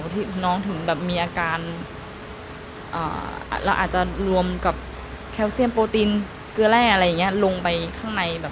คุณหมอถึงแบบมีอาการที่รวมกับแคลเซียมโปรตีนเกลือแร่ลงไปข้างใน